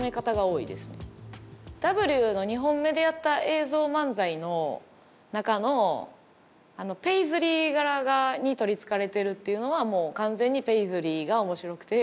「Ｗ」の２本目でやった映像漫才の中のペイズリー柄に取りつかれてるっていうのはもう完全にペイズリーが面白くて。